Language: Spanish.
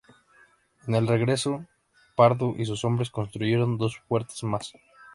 En el regreso, Pardo y sus hombres construyeron dos fuertes más.